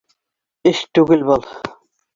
Эш түгел был